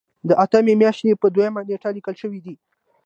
دا د اتمې میاشتې په دویمه نیټه لیکل شوی دی.